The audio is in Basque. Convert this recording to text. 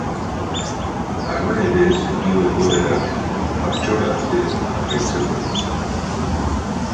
Ala ere setio-egoerak martxora arte jarraitzen du.